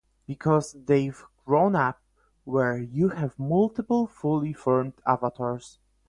Because they've grown up where you have multiple fully formed avatars.